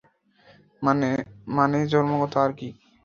মানে জন্মগতভাবে আর কি!